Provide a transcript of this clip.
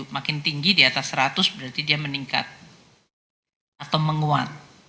makin tinggi di atas seratus berarti dia meningkat atau menguat